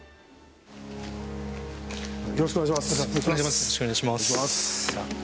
よろしくお願いします。